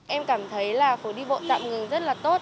em cảm thấy là phố đi bộ tạm ngừng rất là tốt